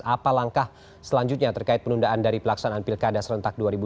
apa langkah selanjutnya terkait penundaan dari pelaksanaan pilkada serentak dua ribu dua puluh